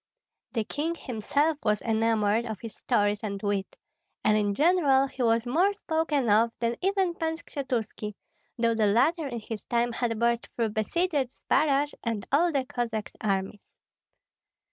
The king himself was enamored of his stories and wit; and in general he was more spoken of than even Pan Skshetuski, though the latter in his time had burst through besieged Zbaraj and all the Cossack armies.